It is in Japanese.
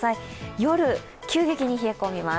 夜急激に冷え込みます。